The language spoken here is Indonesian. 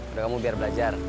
udah kamu biar belajar